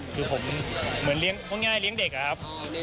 คือผมเหมือนพวกนายเลี้ยงเด็กอะครับ